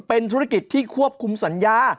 เป็นธุรกิจที่ควบคุมสัญญา